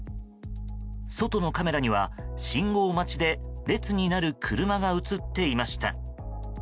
外のカメラには、信号待ちで列になる車が映っていました。